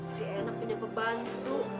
si enak punya pembantu